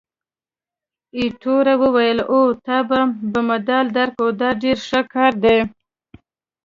ایټور وویل: اوه، تا ته به مډال درکړي! دا ډېر ښه کار دی.